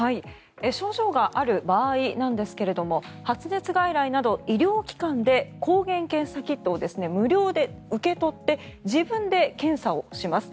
症状がある場合なんですけれども発熱外来など医療機関で抗原検査キットを無料で受け取って自分で検査をします。